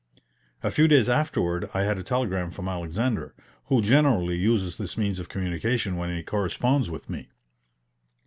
A few days afterward I had a telegram from Alexander, who generally uses this means of communication when he corresponds with me.